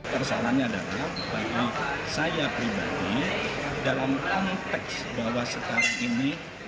persoalannya adalah bagi saya pribadi dalam konteks bahwa sekarang ini